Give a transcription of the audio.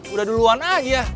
udah duluan aja